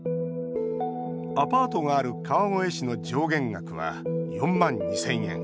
アパートがある川越市の上限額は４万２０００円。